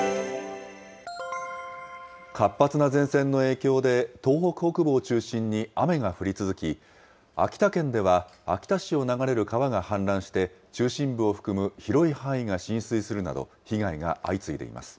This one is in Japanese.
活発な前線の影響で、東北北部を中心に雨が降り続き、秋田県では秋田市を流れる川が氾濫して、中心部を含む広い範囲が浸水するなど、被害が相次いでいます。